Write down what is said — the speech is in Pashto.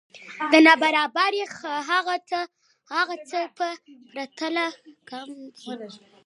دا نابرابری هغه څه په پرتله کمه ده